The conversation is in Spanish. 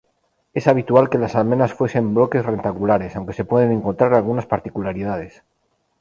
Es habitual que las almenas fuesen bloques rectangulares, aunque se pueden encontrar algunas particularidades.